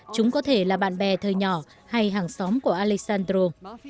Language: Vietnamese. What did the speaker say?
chúng có thể là bạn bè thời nhỏ hay hàng xóm của alexandro